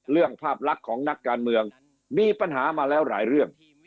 เรื่องภาพลักษณ์ของนักการเมืองมีปัญหามาแล้วหลายเรื่อง